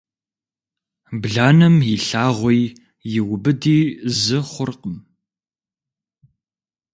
Бланэм и лъагъуи и убыди зы хъуркъым.